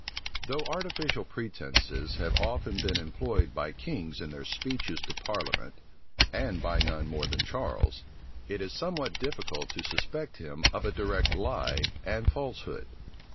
Though artificial pretences have often been employed by kings in their speeches to parliament, and by none more than Charles, it is somewhat difficult to suspect him of a direct lie and falsehood.